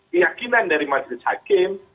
keyakinan dari majlis hakim